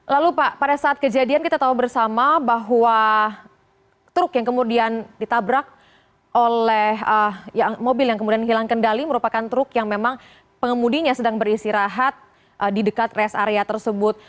lalu pak pada saat kejadian kita tahu bersama bahwa truk yang kemudian ditabrak oleh mobil yang kemudian hilang kendali merupakan truk yang memang pengemudinya sedang beristirahat di dekat rest area tersebut